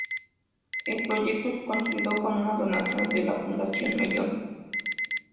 El proyecto se consolidó con una donación de la Fundación Mellon.